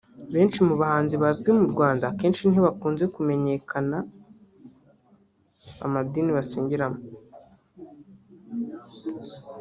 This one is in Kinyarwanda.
Benshi mu bahanzi bazwi mu Rwanda akenshi ntihakunze kumenyekana amadini basengeramo